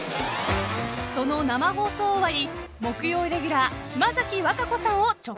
［その生放送終わり木曜レギュラー島崎和歌子さんを直撃］